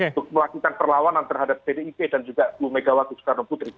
untuk melakukan perlawanan terhadap ddip dan juga sepuluh mw soekarno putri